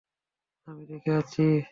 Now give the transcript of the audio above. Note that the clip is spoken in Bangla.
আমি দেখে আসছি।